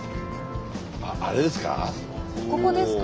あっあれですか？